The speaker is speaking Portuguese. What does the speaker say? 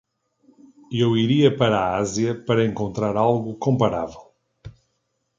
Eu iria para a Ásia para encontrar algo comparável.